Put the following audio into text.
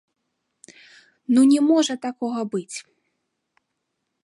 Ну не можа такога быць!